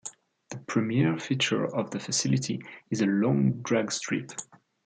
The premier feature of the facility is a long dragstrip.